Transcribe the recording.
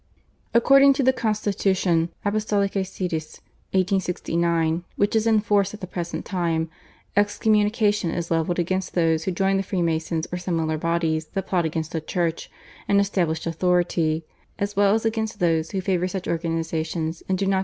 According to the constitution /Apostolicae Sedis/ (1869), which is in force at the present time, excommunication is levelled against those who join the Freemasons or similar bodies that plot against the Church and established authority, as well as against those who favour such organisations and do not denounce their leaders.